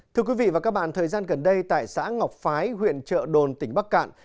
thưa quý vị và các bạn thời gian gần đây tại xã ngọc phái huyện trợ đồn tỉnh bắc cạn